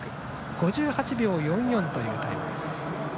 ５８秒４４というタイム。